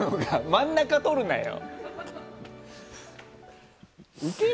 真ん中とるなよ。